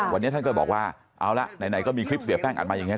วันนี้ท่านก็บอกว่าเอาละไหนก็มีคลิปเสียแป้งอัดมาอย่างนี้